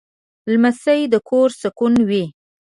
لمسی د کور سکون وي.